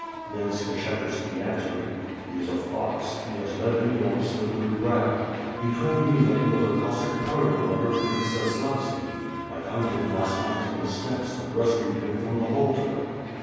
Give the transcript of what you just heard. ^' Then Skshetuski answered. "He is a fox; he has led me on slippery ground. He told me that he was a Cossack Colonel under Prince Zaslavski. I found him last night in the steppes, and rescued him from the halter."